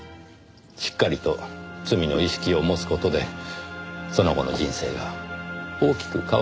しっかりと罪の意識を持つ事でその後の人生が大きく変わるはずですから。